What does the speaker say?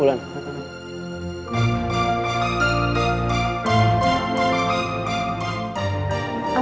gue mau ngakuin sesuatu